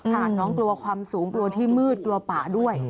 น้องกลัวความสูงกลัวที่มืดกลัวป่าด้วย